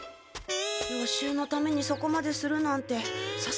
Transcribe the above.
予習のためにそこまでするなんてさすが浦風先輩。